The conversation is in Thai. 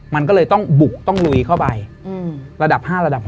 มันก็เลยต้องบุกต้องลุยเข้าไประดับ๕ระดับ